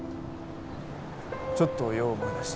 ちょっと用を思い出して。